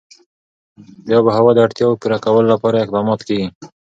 د آب وهوا د اړتیاوو پوره کولو لپاره اقدامات کېږي.